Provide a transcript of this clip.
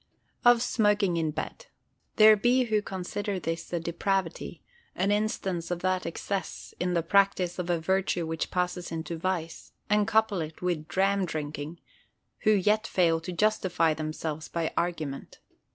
Of Smoking in Bed: There be who consider this a depravity—an instance of that excess in the practice of a virtue which passes into vice—and couple it with dram drinking: who yet fail to justify themselves by argument.